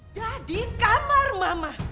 udah di kamar mama